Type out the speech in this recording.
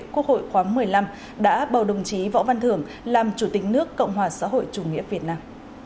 quốc hội khóa một mươi năm đã bầu đồng chí võ văn thưởng làm chủ tịch nước cộng hòa xã hội chủ nghĩa việt nam